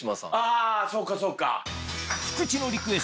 あそうかそうか。